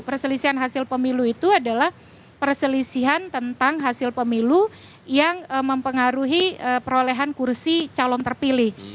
perselisihan hasil pemilu itu adalah perselisihan tentang hasil pemilu yang mempengaruhi perolehan kursi calon terpilih